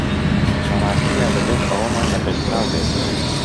لە ڕاستیدا دەبێت ئەوەمان لە پێشچاو بێت